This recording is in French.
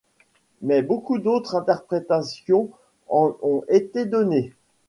Mais beaucoup d'autres interprétations en ont été données.